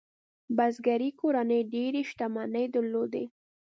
بزګري کورنۍ ډېرې شتمنۍ درلودې.